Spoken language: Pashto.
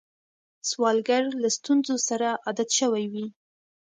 سوالګر له ستونزو سره عادت شوی وي